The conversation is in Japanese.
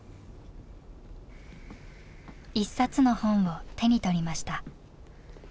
一冊の本を手に取りました。